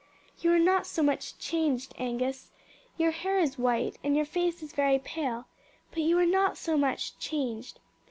"You are not so much changed, Angus. Your hair is white and your face is very pale; but you are not so much changed.